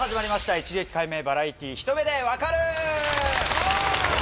『一撃解明バラエティひと目でわかる‼』。